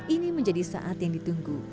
ini menjadi saat yang ditunggu